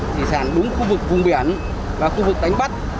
thủy sản đúng khu vực vùng biển và khu vực đánh bắt